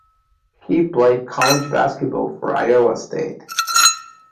He played college basketball for Iowa State.